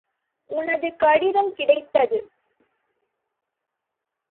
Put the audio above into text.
உனது கடிதம் கிடைத்தது.